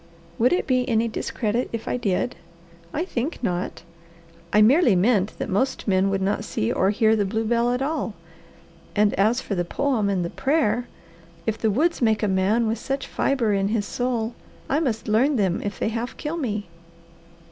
"Would it be any discredit if I did? I think not. I merely meant that most men would not see or hear the blue bell at all and as for the poem and prayer! If the woods make a man with such fibre in his soul, I must learn them if they half kill me."